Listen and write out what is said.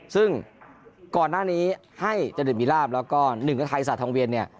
ซึ่งก่อนหน้านี้ให้จริตมีลาบแล้วก็หนึ่งกับไทยศาสตองเวียนเนี่ย